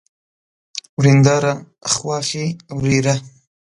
ورېنداره ، خواښې، ورېره